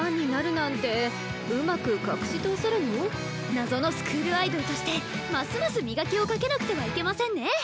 謎のスクールアイドルとしてますます磨きをかけなくてはいけませんね！